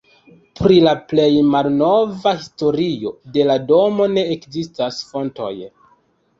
Pri la plej malnova historio de la domo ne ekzistas fontoj.